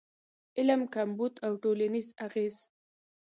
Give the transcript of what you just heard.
علم کمبود او ټولنیز اغېز